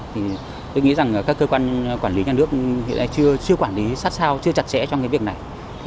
thì tôi nghĩ rằng các cơ quan quản lý nhà nước hiện nay chưa quản lý sát sao chưa chặt chẽ trong cái việc này